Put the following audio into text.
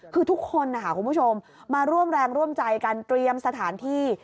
คือทุกคนนะคะคุณผู้ชมมาร่วมแรงร่วมใจกันเตรียมสถานที่